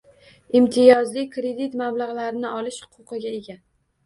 Imtiyozli kredit mablagʻlarini olish huquqiga ega.